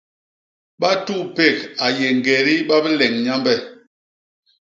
Batupék a yé ñgédi ba bileñ Nyambe.